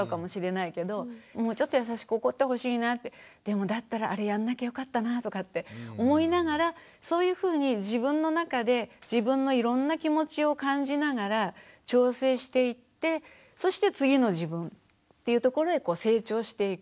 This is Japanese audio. もうちょっと優しく怒ってほしいなってでもだったらあれやんなきゃよかったなとかって思いながらそういうふうに自分の中で自分のいろんな気持ちを感じながら調整していってそして次の自分っていうところへ成長していく。